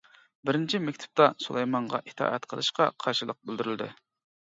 بىرىنچى مەكتۇپتا سۇلايمانغا ئىتائەت قىلىشقا قارشىلىق بىلدۈرۈلدى.